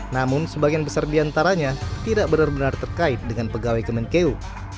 namun sebagian besar diantaranya tidak benar benar terkait dengan pegawai kemenkeu